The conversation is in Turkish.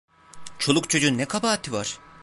Çoluk çocuğun ne kabahati var!